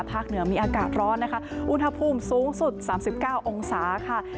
เหนือมีอากาศร้อนนะคะอุณหภูมิสูงสุด๓๙องศาค่ะ